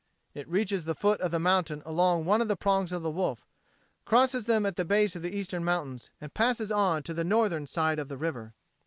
It reaches the foot of the mountain along one of the prongs of the Wolf, crosses them at the base of the eastern mountains and passes on to the northern side of the river.